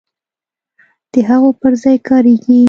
د هغو پر ځای کاریږي.